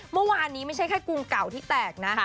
เมื่อวานนี้ไม่ใช่แค่กรุงเก่าที่แตกนะคะ